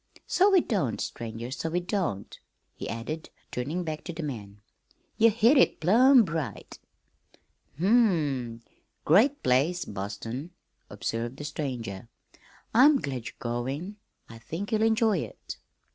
"So we don't, stranger, so we don't," he added, turning back to the man. "Ye hit it plumb right." "Hm m! great place, Boston," observed the stranger. "I'm glad you're going. I think you'll enjoy it."